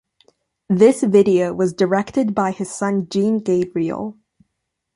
This video was directed by his son Jean Gabriel.